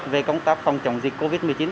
về công tác phòng chống dịch covid một mươi chín